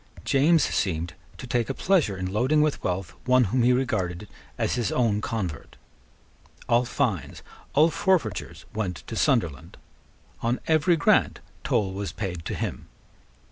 James seemed to take a pleasure in loading with wealth one whom he regarded as his own convert. All fines, all forfeitures went to Sunderland. On every grant toll was paid to him.